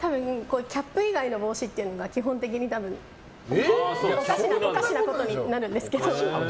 キャップ以外の帽子っていうのが基本的におかしなことになるんですけど。